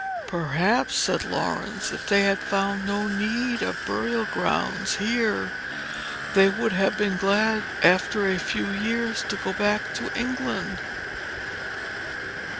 "Perhaps," said Laurence, "if they had found no need of burial grounds here, they would have been glad, after a few years, to go back to England."